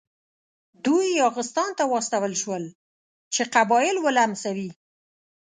دوی یاغستان ته واستول شول چې قبایل ولمسوي.